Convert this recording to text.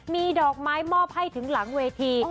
มีดอกไม้มอบให้ถึงหลังเวที